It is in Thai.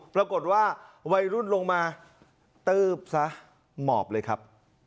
ปรากฏว่าวัยรุ่นลงมาตื๊บซะหมอบเลยครับ